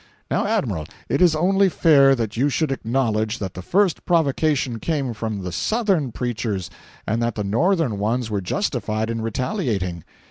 Now, Admiral, it is only fair that you should acknowledge that the first provocation came from the Southern preachers and that the Northern ones were justified in retaliating.